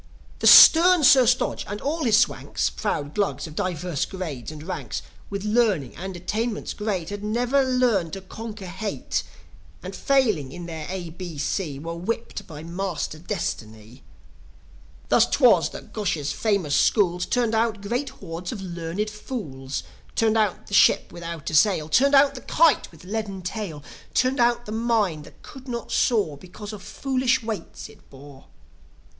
The stern Sir Stodge and all his Swanks Proud Glugs of divers grades and ranks, With learning and attainments great Had never learned to conquer hate. And, failing in their A. B. C., Were whipt by Master Destiny. 'Twas thus that Gosh's famous schools Turned out great hordes of learned fools: Turned out the ship without a sail, Turned out the kite with leaden tail, Turned out the mind that could not soar Because of foolish weights it bore.